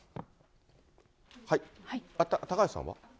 高橋さんは？